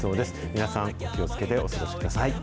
皆さん、気をつけてお過ごしください。